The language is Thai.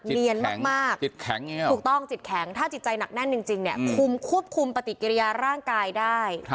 เนียนมากจิตแข็งถูกต้องจิตแข็งถ้าจิตใจหนักแน่นจริงเนี่ยคุมควบคุมปฏิกิริยาร่างกายได้